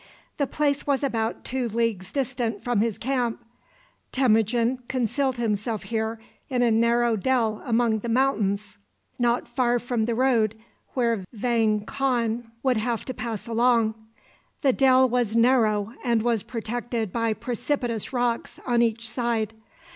The place was about two leagues distant from his camp. Temujin concealed himself here in a narrow dell among the mountains, not far from the road where Vang Khan would have to pass along. The dell was narrow, and was protected by precipitous rocks on each side.